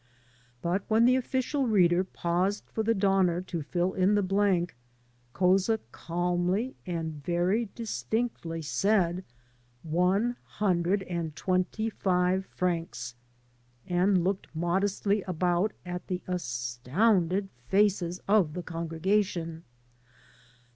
But when the official reader paused for the donor to fill in the blank, Couza calmly and very distinctly said, "One hundred and twenty five francs,'* and looked modestly about at the astounded faces of the congregation.